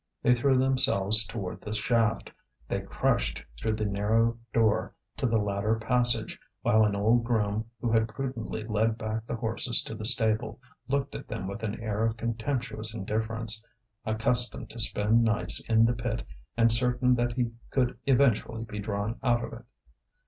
They threw themselves toward the shaft, they crushed through the narrow door to the ladder passage; while an old groom who had prudently led back the horses to the stable, looked at them with an air of contemptuous indifference, accustomed to spend nights in the pit and certain that he could eventually be drawn out of it.